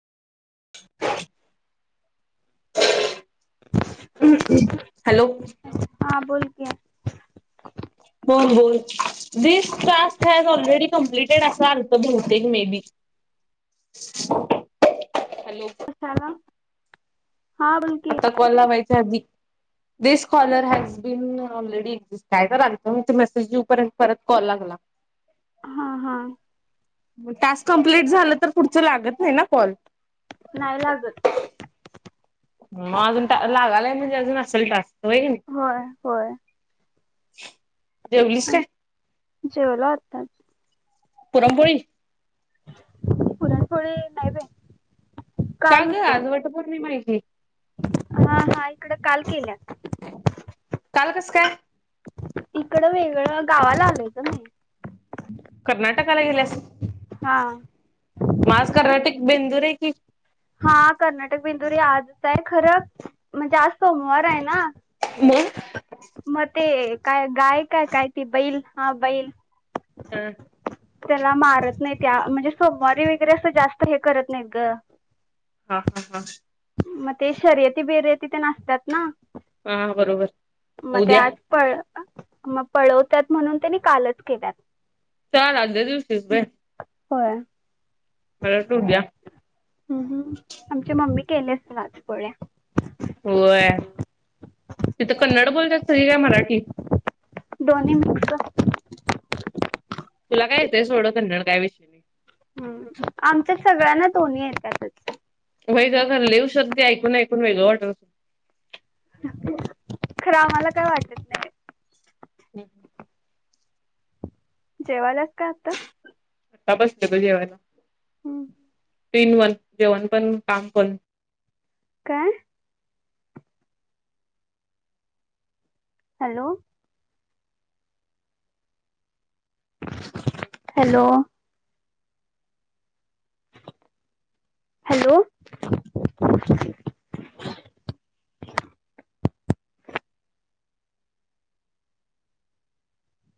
Hello! हा बोल की. बोल बोल वीस टास्क हायत ऑलरेडी कम्पेटेड अस आलतं बहुतेक मे हॅलो! कशाला? हा बोल की आता काँल लावायच्या आधी. This caller has been already काय तर, आलतं मग ते मेसेज येऊ पर्यंत परत कॉल लागला. हा हा. मग टास्क कंप्लीट झालं तर, पुढचं लागत नाही ना कॉल? नाही लागत. मग अजून लागालाय म्हणजे अजून असेल टास्क. होय की नाही होय होय. जेवलीस काय? जेवलो आत्ताचं. पुरणपोळी? पुरणपोळी नाही बाई. का काल गं होत आज वट पौर्णिमा हाय की? हां हां इकड काल केल्यात. काल कस काय? इकडं वेगळं गावाला आलोय ग मी. कर्नाटकाला गेल्यास? हा म आज कर्नाटकी बेंदुरी आहे की? हां कर्नाटक बेंदुरी आजच आहे खरं म्हणजे, आज सोमवार आहे ना. म. मग ते काय गाय काय ती बैल हां बैल हा त्याला मारत नाहीत, त्या म्हणजे सोमवारी वगैरे असं जास्त हे करत नाहीत ग. हां हां हां. मग ते शर्यती बेर्यती तेन असतात ना. हा बरोबर म ते उद्या आज पळ मग पळवतात, म्हणून त्यांनी कालच केल्यात. काल आदल्या दिवशीच होय? होय, हम हम आमची मम्मी केली असेल आज पोळ्या? होय, तिथं कन्नड बोलतात सगळी काय मराठी? दोन्ही मिक्स. तुला काय येतंय सोडं कन्नड काय विषय नाही? हम आमच्या सगळ्यांना दोन्ही येत्यातचं. व्हय, गं खरं लय उशर ते ऐकून ऐकून वेगळं वाटत अस खरं आम्हाला काय वाटत नाही. हम. जेवायल्यास का आता? आता बसले बग जेवायला. हम. टू इन वन जेवण पण काम पण. काय? हॅलो! हॅलो! हॅलो! [inaudible]